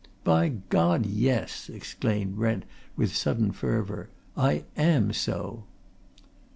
"By God, yes!" exclaimed Brent, with sudden fervour. "I am so!"